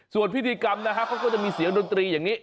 ส่วนพิธีกรรมนะฮะเขาก็จะมีเสียงดนตรีอย่างนี้